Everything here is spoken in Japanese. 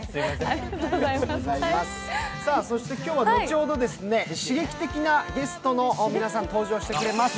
そして今日は後ほど、刺激的なゲストの皆さん、登場してくれます